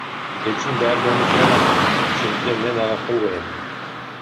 Чечим даярдоону суранам, дүйшөмбүдө мен ага кол коем.